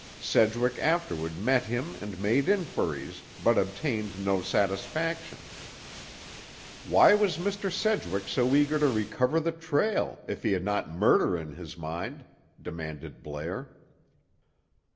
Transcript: Sedgwick afterward met him and made inquiries, but obtained no satisfaction." "Why was Mr. Sedgwick so eager to recover the trail, if he had not murder in his mind?" demanded Blair.